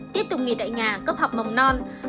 tiếp tục nghỉ tại nhà cấp học mầm non